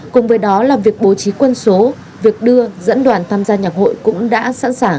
cùng với đó là việc bố trí quân số việc đưa dẫn đoàn tham gia nhạc hội cũng đã sẵn sàng